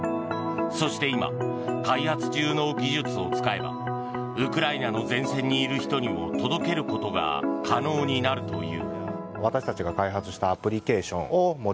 そして今、開発中の技術を使えばウクライナの前線にいる人にも届けることが可能になるという。